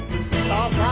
さあ